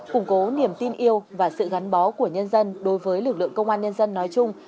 củng cố niềm tin yêu và sự gắn bó của nhân dân đối với lực lượng công an nhân dân nói chung